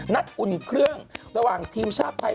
อุ่นเครื่องระหว่างทีมชาติไทย